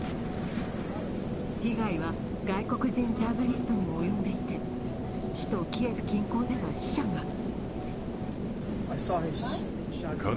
被害は外国人ジャーナリストにも及んでいて首都キエフ近郊では死者が。